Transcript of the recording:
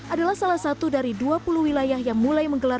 adalah salah satu dari dua puluh wilayah yang mulai menggelar